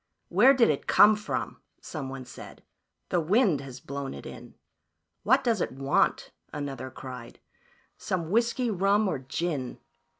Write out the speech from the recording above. "Where did it come from?" someone said. " The wind has blown it in." "What does it want?" another cried. "Some whiskey, rum or gin?"